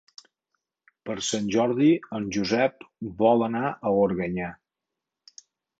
Per Sant Jordi en Josep vol anar a Organyà.